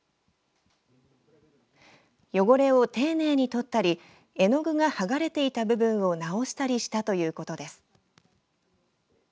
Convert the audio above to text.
汚れを丁寧に取ったり絵の具がはがれていた部分を直したりしたということです。